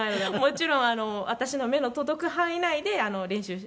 もちろん私の目の届く範囲内で練習してもらっています。